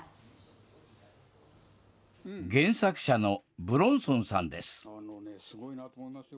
原作者の武論尊さんです。